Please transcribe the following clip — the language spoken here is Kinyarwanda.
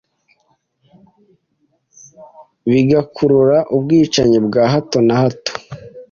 bigakurura ubwicanyi bwa hato na hato